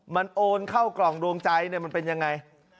มันโอนเข้ากล่องดวงใจมันเป็นยังไง